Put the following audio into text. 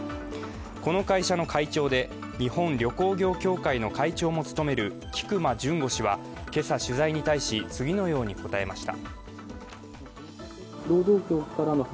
この会社の会長で日本旅行業協会の会長も務める菊間潤吾氏は今朝、取材に対し、次のように答えました。